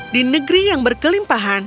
di negeri yang berkelimpahan